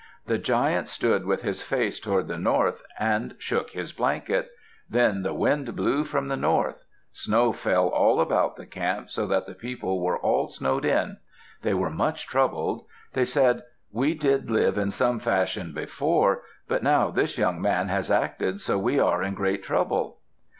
The giant stood with his face toward the north and shook his blanket. Then the wind blew from the north. Snow fell all about the camp so that the people were all snowed in. They were much troubled. They said, "We did live in some fashion before; but now this young man has acted so we are in great trouble."